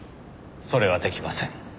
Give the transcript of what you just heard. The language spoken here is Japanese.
それは出来ません。